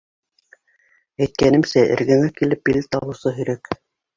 Әйткәнемсә, эргәңә килеп билет алыусы һирәк.